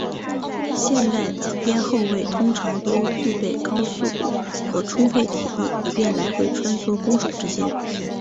现代的边后卫通常都具备高速度和充沛体力以便来回穿梭攻守之间。